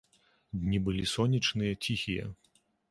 Дні былі сонечныя, ціхія.